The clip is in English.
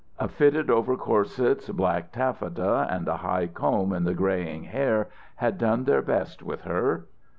A fitted over corsets black taffeta and a high comb in the greying hair had done their best with her.